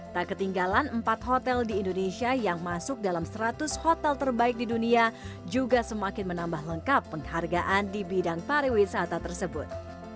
tak ketinggalan empat hotel di indonesia yang masuk dalam seratus hotel terbaik di dunia juga semakin menambah lengkap penghargaan di bidang pariwisata tersebut